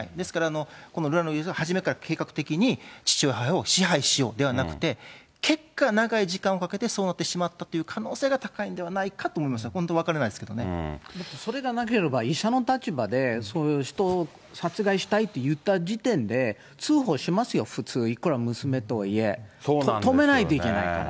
ですからこの瑠奈容疑者は計画的に父親、母親を支配しようではなくて、結果、長い時間をかけて、そうなってしまったって可能性が高いんではないかと思います、本それがなければ、医者の立場で、そういう人を殺害したいといった時点で、通報しますよ、普通、いくら娘とはいえ。止めないといけないから。